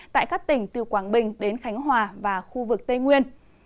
tại các tỉnh từ quảng bình đến khánh hòa và khu vực tây nguyên